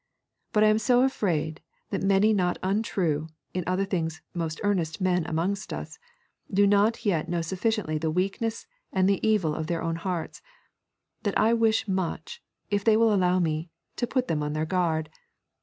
But I am so afraid that many not untrue, and in other things most earnest men amongst us, do not yet know sufficiently the weakness and the evil of their own hearts, that I wish much, if they will allow me, to put them on their guard.